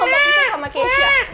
gue gak mau pisah sama keisha